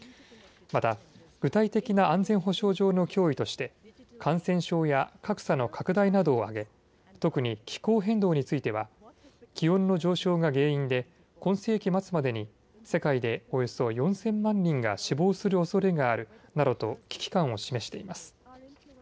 また具体的な安全保障上の脅威として感染症や格差の拡大などを挙げ特に気候変動については気温の上昇が原因で今世紀末までに世界でおよそ４０００万人が死亡するおそれがあるなどと危機感を示しています。